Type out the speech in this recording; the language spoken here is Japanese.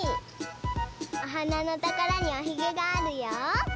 おはなのところにおひげがあるよ。